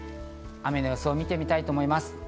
雨の予想を見てみたいと思います。